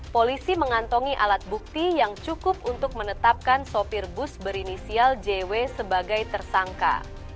polisi mengantongi alat bukti yang cukup untuk menetapkan sopir bus berinisial jw sebagai tersangka